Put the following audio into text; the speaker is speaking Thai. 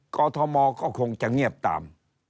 อทมก็คงจะเงียบตาม